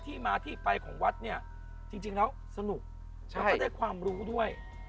ที่มาที่ไปของวัดเนี่ยจริงแล้วสนุกแล้วก็ได้ความรู้ด้วย